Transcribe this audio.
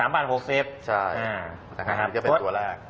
๑๓๖๐บาทใช่นี่ก็เป็นตัวแรก